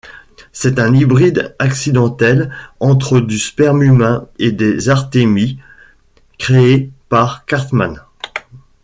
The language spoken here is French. C'est un hybride accidentel entre du sperme humain et des artémies, créé par Cartman.